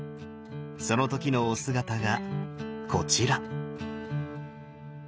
その時のお姿がこちら。